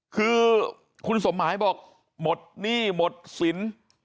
คือคุณสมหมายบอกหมดหนี้หมดสิน